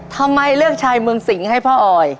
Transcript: ทำไมเลือกชายเมืองสิงห์ให้พ่อออย